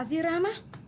masa sih rama